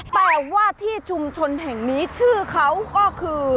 แต่ว่าที่ชุมชนแห่งนี้ชื่อเขาก็คือ